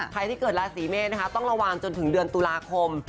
ใครที่เกิดราศีเมษนะคะต้องระวังจนถึงเดือนตุลาคม